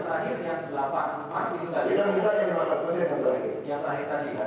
nah akan addres ini